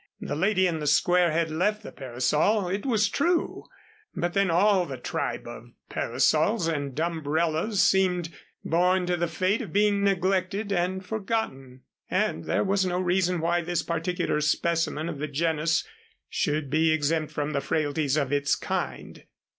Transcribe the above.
The lady in the Square had left the parasol, it was true. But then all the tribe of parasols and umbrellas seemed born to the fate of being neglected and forgotten, and there was no reason why this particular specimen of the genus should be exempt from the frailties of its kind.